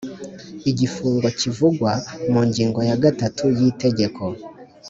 igifungo kivugwa mu ngingo ya gatatu y Itegeko